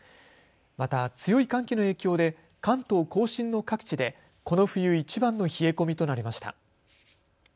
また強い寒気の影響で関東甲信の各地でこの冬いちばんの冷え込みとなりました。